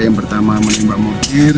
yang pertama menembak mokir